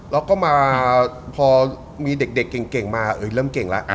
แล้วก็มาพอดักเก่งมาเริ่มเก่งซะ